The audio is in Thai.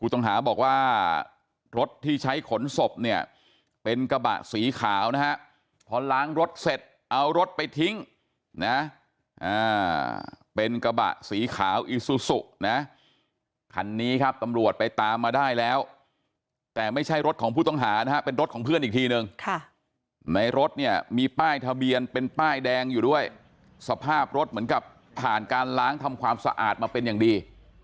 ต้องหาบอกว่ารถที่ใช้ขนศพเนี่ยเป็นกระบะสีขาวนะฮะพอล้างรถเสร็จเอารถไปทิ้งนะเป็นกระบะสีขาวอีซูซุนะคันนี้ครับตำรวจไปตามมาได้แล้วแต่ไม่ใช่รถของผู้ต้องหานะฮะเป็นรถของเพื่อนอีกทีนึงในรถเนี่ยมีป้ายทะเบียนเป็นป้ายแดงอยู่ด้วยสภาพรถเหมือนกับผ่านการล้างทำความสะอาดมาเป็นอย่างดี